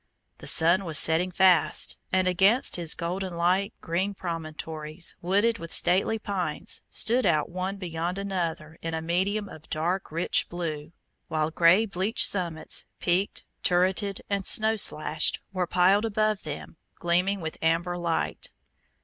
The sun was setting fast, and against his golden light green promontories, wooded with stately pines, stood out one beyond another in a medium of dark rich blue, while grey bleached summits, peaked, turreted, and snow slashed, were piled above them, gleaming with amber light.